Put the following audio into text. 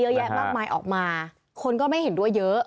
เยอะแยะมากมายออกมาคนก็ไม่เห็นด้วยเยอะ